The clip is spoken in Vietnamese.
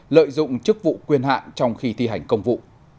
lợi dụng chức vụ quyền hạn trong khi thi hành công vụ